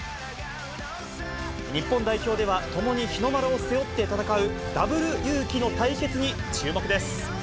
日本代表では共に日の丸を背負って戦うダブルゆうきの対決に注目です。